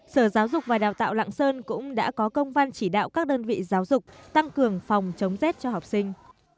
sở giáo dục và đào tạo lạng sơn cũng đã có công văn chỉ đạo các đơn vị giáo dục tăng cường phòng chống rét cho học sinh